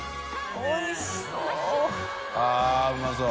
おいしそう！